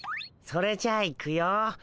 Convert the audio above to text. それじゃあいくよ。